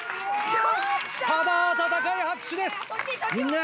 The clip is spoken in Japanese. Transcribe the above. ただ温かい拍手です。